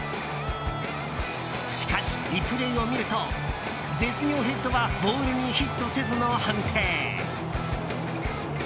しかし、リプレーを見ると絶妙ヘッドはボールにヒットせずの判定。